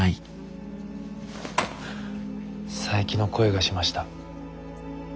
佐伯の声がしました。